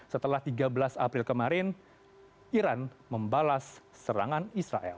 setelah tiga belas april kemarin iran membalas serangan israel